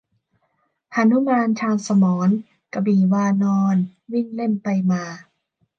หนุมานชาญสมร กระบี่วานร วิ่งเล่นไปมา